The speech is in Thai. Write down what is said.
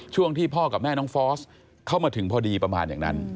ช่วงที่พ่อกับแม่น้องฟอสเข้ามาถึงพอดีประมาณอย่างนั้น